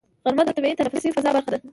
غرمه د طبیعي تنفسي فضا برخه ده